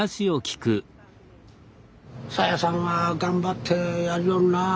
「沙耶さんは頑張ってやりよるなあ」